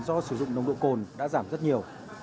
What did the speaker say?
do sử dụng nồng độ cồn đã giảm rất nhiều